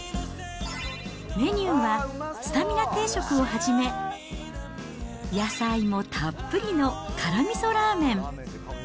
メニューはスタミナ定食をはじめ、野菜もたっぷりの辛味噌ラーメン。